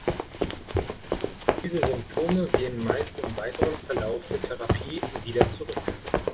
Diese Symptome gehen meist im weiteren Verlauf der Therapie wieder zurück.